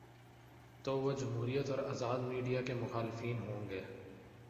تو وہ جمہوریت اور آزاد میڈیا کے مخالفین ہو ں گے۔